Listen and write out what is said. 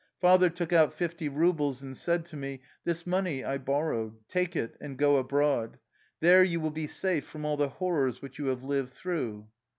Father took out fifty rubles and said to me :" This money I borrowed. Take it and go abroad. There you will be safe from all the horrors which you have lived through.'